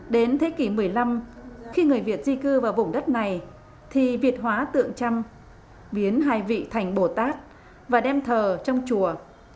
đến thế kỷ một mươi năm khi người việt di cư vào vùng đất này thì việt hóa tượng trăm biến hai vị thành bồ tát và đem thờ trong chùa